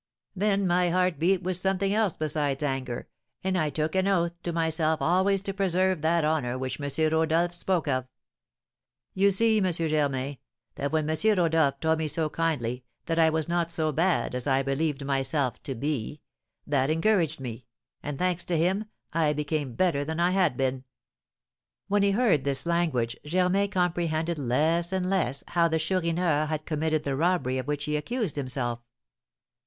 Then my heart beat with something else besides anger, and I took an oath to myself always to preserve that honour which M. Rodolph spoke of. You see, M. Germain, that when M. Rodolph told me so kindly that I was not so bad as I believed myself to be, that encouraged me, and, thanks to him, I became better than I had been." When he heard this language, Germain comprehended less and less how the Chourineur had committed the robbery of which he accused himself.